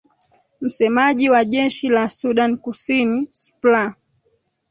msemaji wa jeshi la sudan kusini spla